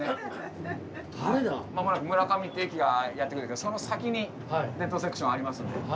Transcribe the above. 間もなく村上って駅がやって来るんですけどその先にデッドセクションありますんで。